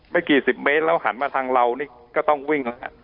ไม่กี่สิบเมตรแล้วหันมาทางเรานี่ก็ต้องวิ่งแล้วฮะ